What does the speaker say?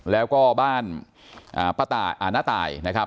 แล้วก็บ้านป้าต่าอ่าน้าต่ายนะครับ